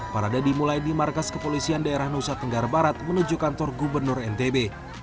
parade dimulai di markas kepolisian daerah nusa tenggara barat menuju kantor gubernur ntb